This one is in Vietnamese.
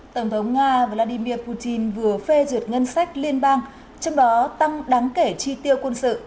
tổng thống nga vladimir putin vừa phê duyệt ngân sách liên bang trong đó tăng đáng kể chi tiêu quân sự